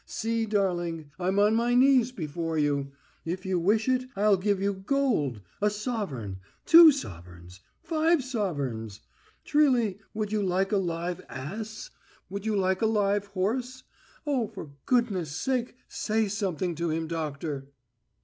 See, darling, I'm on my knees before you. If you wish it, I'll give you gold a sovereign, two sovereigns, five sovereigns. Trilly, would you like a live ass? Would you like a live horse? Oh, for goodness' sake, say something to him, doctor."